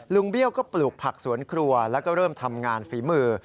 เบี้ยวก็ปลูกผักสวนครัวแล้วก็เริ่มทำงานฝีมือ